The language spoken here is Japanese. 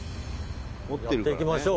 「やっていきましょう！